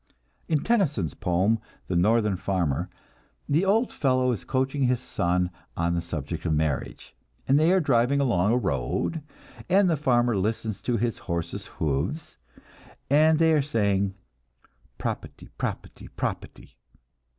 In Tennyson's poem, "The Northern Farmer," the old fellow is coaching his son on the subject of marriage, and they are driving along a road, and the farmer listens to his horses' hoofs, and they are saying, "Proputty, proputty, proputty!"